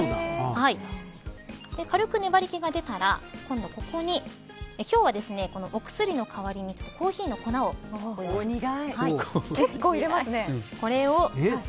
軽く粘り気が出たら今度は、ここに今日はお薬の代わりにコーヒーの粉をご用意しました。